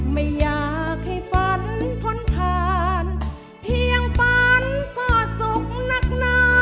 ไม่อยากให้ฝันพ้นผ่านเพียงฝันก็สุขนักหนา